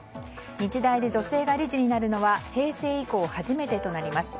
日大で女性が理事になるのは平成以降初めてとなります。